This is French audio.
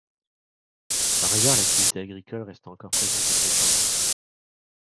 Par ailleurs, l'activité agricole reste encore présente à Seichamps.